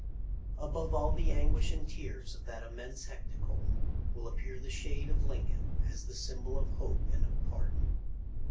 Above all the anguish and tears of that immense hecatomb will appear the shade of Lin coln as the symbol of hope and of pardon.